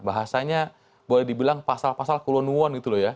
bahasanya boleh dibilang pasal pasal kulonuan gitu loh ya